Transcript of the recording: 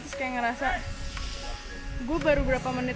terus kalau gue paham ini sudah bulan